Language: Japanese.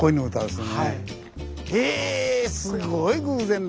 すごい偶然だ。